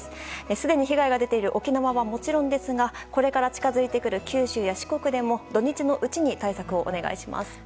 すでに被害が出ている沖縄はもちろんですがこれから近づいてくる九州や四国でも土日のうちに対策をお願いします。